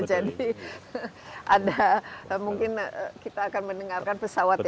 ada mungkin kita akan mendengarkan pesawat ya